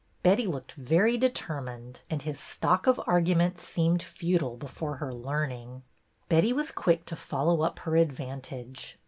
Betty looked very determined, and his stock of arguments seemed futile before her learning. Betty was quick to follow up her advantage.